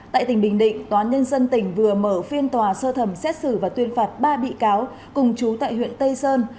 tại tỉnh bình định tòa nhân dân tỉnh vừa mở phiên tòa sơ thẩm xét xử và tuyên phạt ba bị cáo cùng chú tại huyện tây sơn